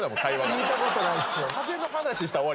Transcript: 聞いた事ないっすよ。